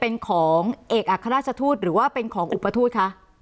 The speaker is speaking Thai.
เป็นของเอกอัครราชทูตหรือว่าเป็นของอุปทูตคะ